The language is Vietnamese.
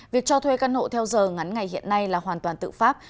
việc cho thuê căn hộ theo giờ ngắn ngày hiện nay là hoàn toàn tự pháp